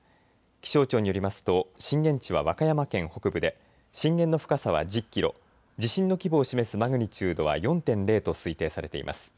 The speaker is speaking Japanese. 気象庁によりますと震源地は和歌山県北部で震源の深さは１０キロ、地震の規模を示すマグニチュードは４．０と推定されています。